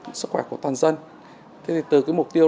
và sức khỏe của toàn dân từ mục tiêu